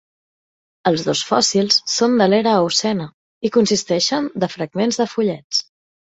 Els dos fòssils són de l'era eocena i consisteixen de fragments de fullets.